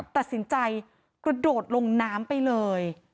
ตัดสินใจกระโดดลงน้ำไปเลย